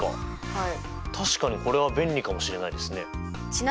はい。